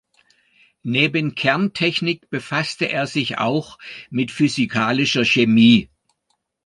Neben Kerntechnik befasste er sich auch mit Physikalischer Chemie.